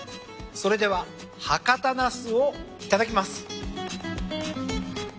それでは博多なすをいただきます。